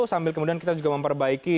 sambil kemudian kita juga memperbaiki